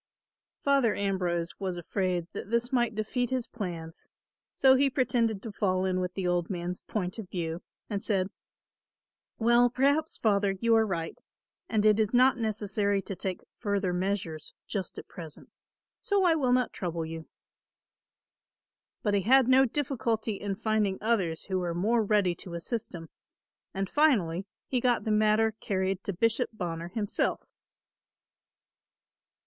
Father Ambrose was afraid that this might defeat his plans; so he pretended to fall in with the old man's point of view and said, "Well, perhaps, Father, you are right and it is not necessary to take further measures just at present, so I will not trouble you." But he had no difficulty in finding others who were more ready to assist him, and finally he got the matter carried to Bishop Bonner himself.